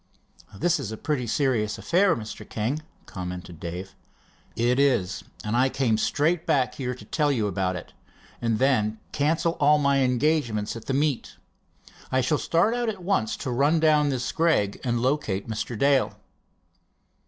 "This is a pretty serious affair, Mr. King," commented Dave. "It is, and I came straight back here to tell you about it, and then cancel all my engagements at the meet. I shall start out at once to run down this Gregg and locate Mr. Dale."